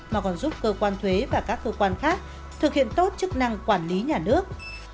mà còn giúp cơ quan thuế và các cơ quan khác thực hiện tốt chức năng quản lý nhà nước